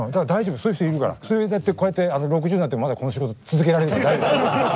そういうだってこうやって６０になってもまだこの仕事続けられるから大丈夫。